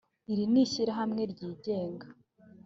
iri ni ishyirahamwe ryigenga